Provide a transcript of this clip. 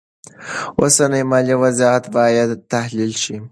اوسنی مالي وضعیت باید تحلیل شي.